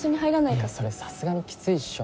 いやそれさすがにキツいっしょ。